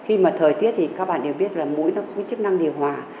khi mà thời tiết thì các bạn đều biết là mũi nó có chức năng điều hòa